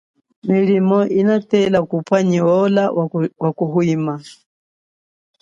Milimo inatela kubwa nyi ola ya kuhwima.